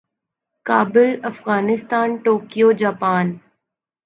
Kabul Afghanistan Tokyo Japan